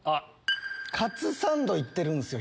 カツサンド行ってるんすよ